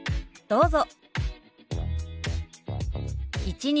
どうぞ。